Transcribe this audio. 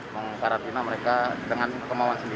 mengkarantina mereka dengan kemauan sendiri